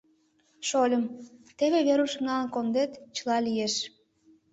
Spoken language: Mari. — Шольым, теве Верушым налын кондетат, чыла лиеш.